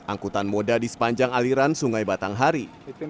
angkutan moda di sepanjang aliran sungai batanghari